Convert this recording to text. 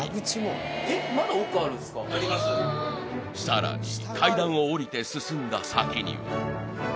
［さらに階段を下りて進んだ先には］